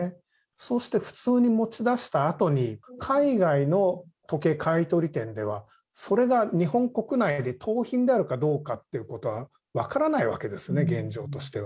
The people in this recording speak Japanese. そうして普通に持ち出したあとに、海外の時計買い取り店では、それが日本国内での盗品であるかというのは分からないわけですね、現状としては。